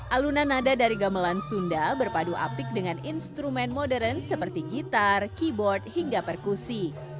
alunan nada dari gamelan sunda berpadu apik dengan instrumen modern seperti gitar keyboard hingga perkusi